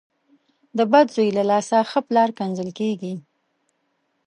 د بد زوی له لاسه ښه پلار کنځل کېږي.